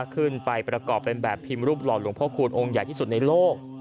ขึ้นไปประกอบเป็นแบบพิมพ์รูปหล่อหลวงพ่อคูณองค์ใหญ่ที่สุดในโลก